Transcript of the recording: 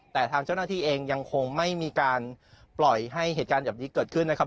แต่ทางเจ้าหน้าที่เองยังคงไม่มีการปล่อยให้เหตุการณ์แบบนี้เกิดขึ้นนะครับ